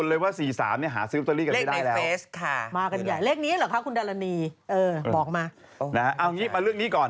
เอาอย่างนี้มาเรื่องนี้ก่อน